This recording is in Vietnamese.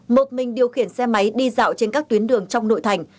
một mình điều khiển xe máy đi dạo trên các tuyến đường trong nội thành